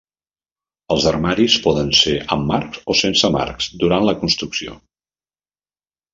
Els armaris poden ser amb marcs o sense marcs durant la construcció.